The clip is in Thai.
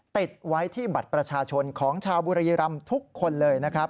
ติดไว้ที่บัตรประชาชนของชาวบุรีรำทุกคนเลยนะครับ